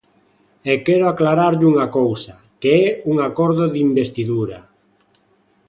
E quero aclararlle unha cousa: que é un acordo de investidura.